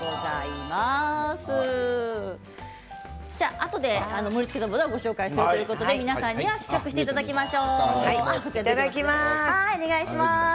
あとで盛りつけたものをご紹介するということで皆さんに試食していただきましょう。